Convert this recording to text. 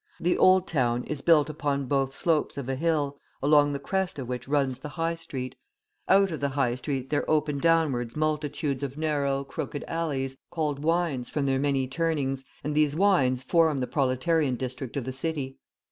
The Old Town is built upon both slopes of a hill, along the crest of which runs the High Street. Out of the High Street there open downwards multitudes of narrow, crooked alleys, called wynds from their many turnings, and these wynds form the proletarian district of the city.